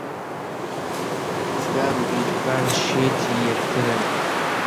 ڕزگار و بێریڤان شێتی یەکترن.